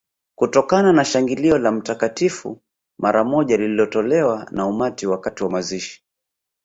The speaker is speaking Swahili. Kutokana na shangilio la Mtakatifu mara moja lililotolewa na umati wakati wa mazishi